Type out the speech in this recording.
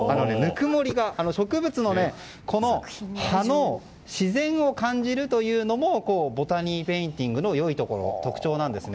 植物の葉の自然を感じるというのもボタニーペインティングの良いところ特徴なんですね。